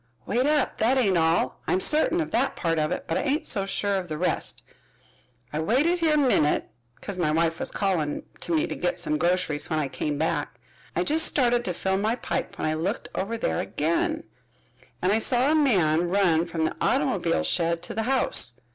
"Wait up, that ain't all. I'm certain of that part of it, but I ain't so sure of the rest. I waited here a minit, because my wife was calling to me to git some groceries when I came back. I just started to fill my pipe when I looked over there again and I saw a man run from the automobile shed to the house.